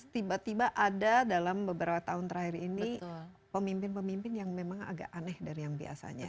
tiba tiba ada dalam beberapa tahun terakhir ini pemimpin pemimpin yang memang agak aneh dari yang biasanya